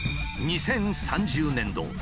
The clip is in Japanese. ２０３０年度